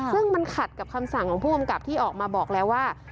ซึ่งมันขัดกับคำสั่งของผู้กำกับที่ออกมาบอกแล้วว่า